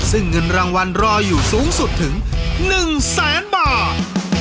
ซึ่งเงินรางวัลรออยู่สูงสุดถึง๑แสนบาท